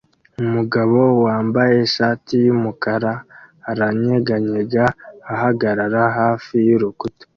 Umugabo wambaye ishati yumukara aranyeganyega ahagarara hafi yurukuta